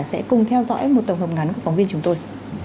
sẽ cùng theo dõi một tổng hợp ngắn của phóng viên chúng tôi